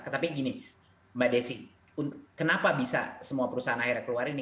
tetapi gini mbak desi kenapa bisa semua perusahaan akhirnya keluar ini